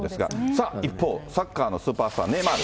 さあ、一方、サッカーのスーパースター、ネイマール。